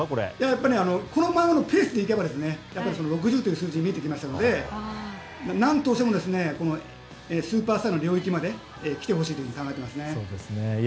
このままのペースでいけば６０という数字が見えてきましたので何としてもスーパースターの領域まで来てほしいと考えています。